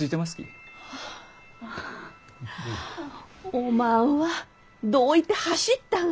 おまんはどういて走ったが！